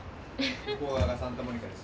ここがサンタモニカです。